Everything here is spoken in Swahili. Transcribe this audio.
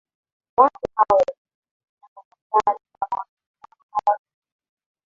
Watu hao waliishi miaka kadhaa bila mawasiliano na watu wengine